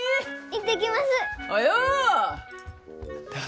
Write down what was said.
行ってきます。